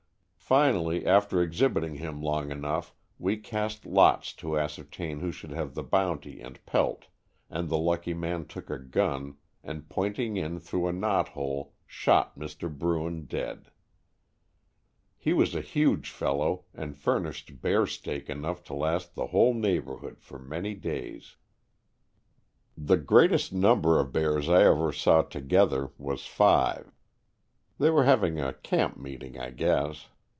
Finally after exhibiting him long enough we cast lots to ascertain who should have the bounty and pelt and the lucky man took a gun and pointing in through a knothole shot Mr. Bruin dead. He was a huge fellow, and fur nished bear steak enough to last the whole neighborhood for many days. 123 Stories from the Adirondack^ The greatest number of bears I ever saw together was five. They were hav ing a camp meeting, I guess.